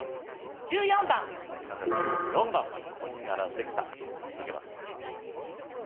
１４番赤１４番横に並んできた続けます